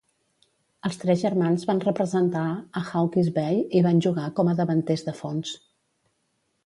Els tres germans van representar a Hawke's Bay i van jugar com a davanters de fons.